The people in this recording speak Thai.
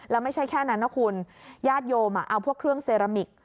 แล้วไม่ใช่แค่นั้นนะคุณญาติโยมเอาพวกเครื่องเซรามิก